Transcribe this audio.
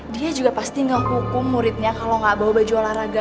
dia juga pasti ngehukum muridnya kalau nggak bawa baju olahraga